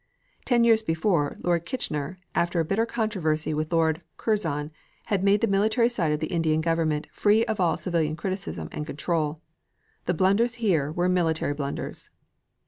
Ten years before, Lord Kitchener, after a bitter controversy with Lord Curzon, had made the military side of the Indian Government free of all civilian criticism and control. The blunders here were military blunders.